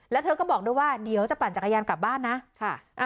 แล้วเธอก็บอกด้วยว่าเดี๋ยวจะปั่นจักรยานกลับบ้านนะค่ะ